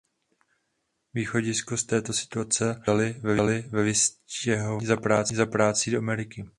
Východisko z této situace hledaly ve vystěhování za prací do Ameriky.